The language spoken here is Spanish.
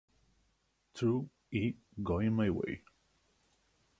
True" y "Going My Way".